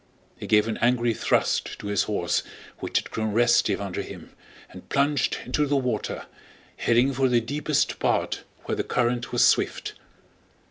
He gave an angry thrust to his horse, which had grown restive under him, and plunged into the water, heading for the deepest part where the current was swift.